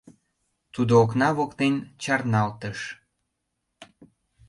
Тудо окна воктен чарналтыш.